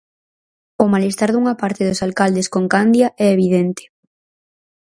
O malestar dunha parte dos alcaldes con Candia é evidente.